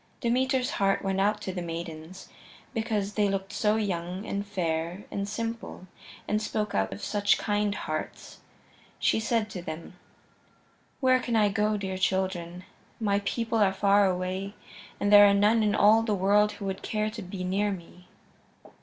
Demeter's heart went out to the maidens, because they looked so young and fair and simple and spoke out of such kind hearts. She said to them: "Where can I go, dear children? My people are far away, and there are none in all the world who would care to be near me."